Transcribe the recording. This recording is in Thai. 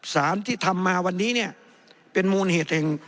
สารที่ทำมาวันนี้เป็นมูลเหตุเอง